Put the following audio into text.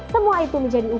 semua itu menjadi utama